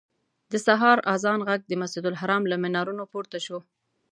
د سهار اذان غږ د مسجدالحرام له منارونو پورته شو.